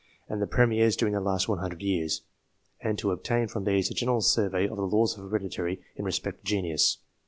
and the Premiers during the last 100 years and to obtain from these a general survey of the laws of heredity in respect to genius.